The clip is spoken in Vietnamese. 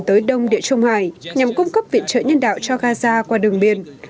tới đông địa trung hải nhằm cung cấp viện trợ nhân đạo cho gaza qua đường biển